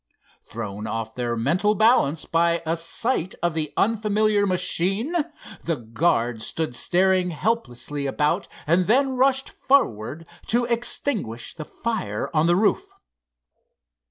Thrown off their mental balance by a sight of the unfamiliar machine, the guards stood staring helplessly about and then rushed forward to extinguish the fire on the roof.